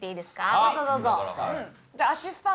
どうぞどうぞ。